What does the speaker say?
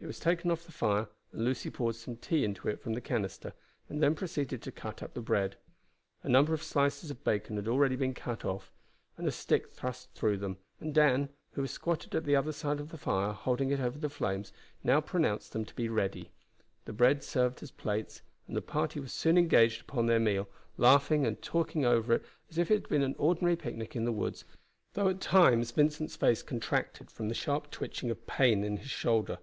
It was taken off the fire, and Lucy poured some tea into it from the canister, and then proceeded to cut up the bread. A number of slices of bacon had already been cut off, and a stick thrust through them, and Dan, who was squatted at the other side of the fire holding it over the flames, now pronounced them to be ready. The bread served as plates, and the party were soon engaged upon their meal, laughing and talking over it as if it had been an ordinary picnic in the woods, though at times Vincent's face contracted from the sharp twitching of pain in his shoulder.